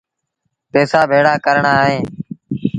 پئيٚسآ ڀيڙآ ڪرڻآن اهيݩ